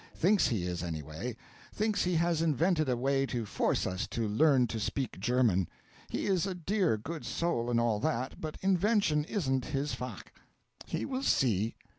thinks he is, anyway. Thinks he has invented a way to force us to learn to speak German. He is a dear good soul, and all that; but invention isn't his fach'. He will see.